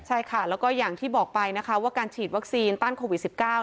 ใช่ค่ะแล้วก็อย่างที่บอกไปนะคะว่าการฉีดวัคซีนต้านโควิด๑๙